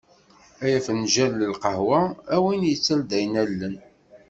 Ay afenǧal n lqahwa, a win i d-yettaldayen allen.